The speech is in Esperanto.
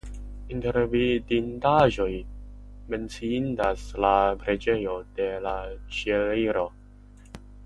Inter vidindaĵoj menciindas la preĝejo de la Ĉieliro.